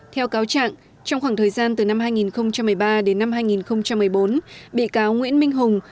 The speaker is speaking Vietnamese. theo cáo trạng trong khoảng thời gian từ năm hai nghìn một mươi ba đến năm hai nghìn một mươi bốn bị cáo nguyễn minh hùng